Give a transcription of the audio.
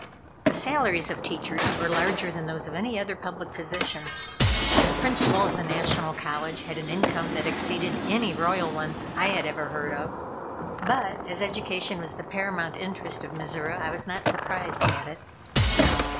The salaries of teachers were larger than those of any other public position. The Principal of the National College had an income that exceeded any royal one I had ever heard of; but, as education was the paramount interest of Mizora, I was not surprised at it.